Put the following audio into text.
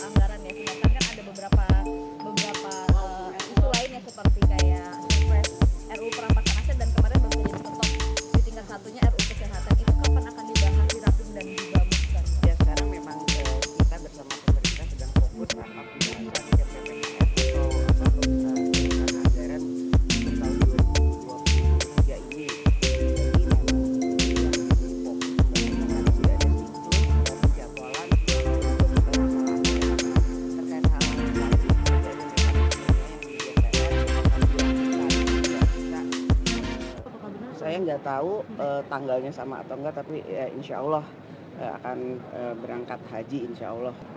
saya nggak tahu tanggalnya sama atau enggak tapi ya insyaallah akan berangkat haji insyaallah